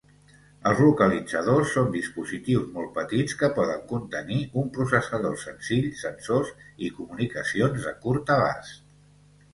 Els localitzadors són dispositius molt petits que poden contenir un processador senzill, sensors, i comunicacions de curt abast.